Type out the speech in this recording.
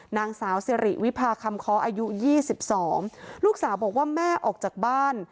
นางสาวสิริวิพาคำคออายุ๒๒ลูกสาวบอกว่าแม่ออกจากบ้าน